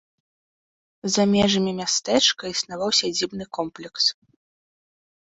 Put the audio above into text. За межамі мястэчка існаваў сядзібны комплекс.